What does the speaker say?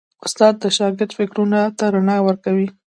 استاد د شاګرد فکرونو ته رڼا ورکوي.